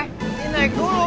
eh naik dulu